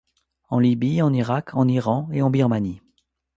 En Libye, en Irak, en Iran et en Birmanie.